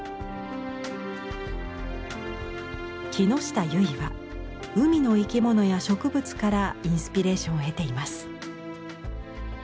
木下結衣は海の生き物や植物からインスピレーションを得ています。